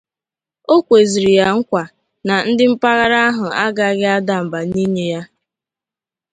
o kwezịrị ya nkwà na ndị mpaghara ahụ agaghị ada mbà n'inye ya